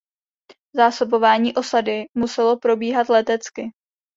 Zásobování osady muselo probíhat letecky.